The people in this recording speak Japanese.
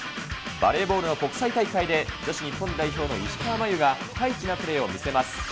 バレーボールの国際大会で、女子日本代表の石川真佑がピカイチなプレーを見せます。